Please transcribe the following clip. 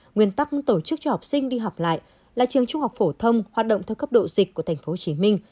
nguyên tắc tổ chức cho học sinh đi học lại là trường trung học phổ thông hoạt động theo cấp độ dịch của thành phố hồ chí minh